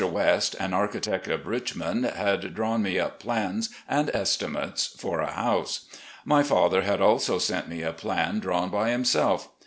West, an architect of Richmond, had drawn me up plans and estimates for a house. My father had also sent me a plan drawn by himself.